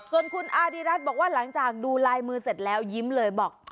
ส่วนคุณอาริรัติบอกว่าหลังจากดูลายมือเสร็จแล้วยิ้มเลยบอก